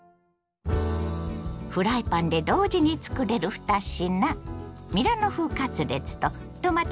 フライパンで同時につくれる２品。